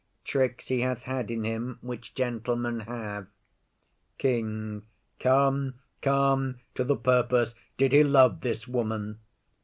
Tricks he hath had in him, which gentlemen have. KING. Come, come, to the purpose. Did he love this woman?